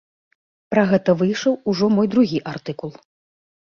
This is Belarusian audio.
Пра гэта выйшаў ужо мой другі артыкул.